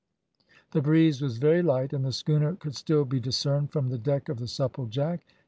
The breeze was very light, and the schooner could still be discerned from the deck of the Supplejack.